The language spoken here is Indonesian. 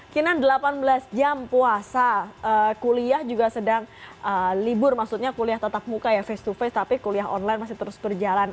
kinan delapan belas jam puasa kuliah juga sedang libur maksudnya kuliah tetap muka ya face to face tapi kuliah online masih terus berjalan